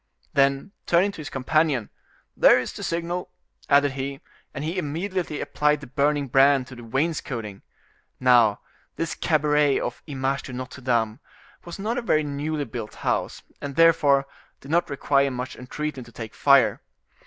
Then, turning to his companion: "There is the signal," added he; and he immediately applied the burning brand to the wainscoting. Now, this cabaret of the Image de Notre Dame was not a very newly built house, and therefore, did not require much entreating to take fire.